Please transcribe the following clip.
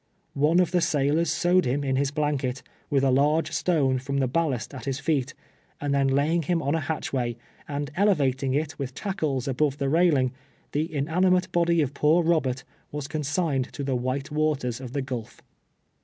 One of the sailors sewed him in his blanket, with a large stone from the ballast at his feet, and then laying him on a hatchway, and elevating it with tackles above the railing, tlie iiumimate body of poor Eobert was consigned to the white waters of tho gulf.